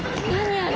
あれ。